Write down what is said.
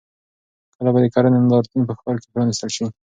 کله به د کرنې نندارتون په ښار کې پرانیستل شي؟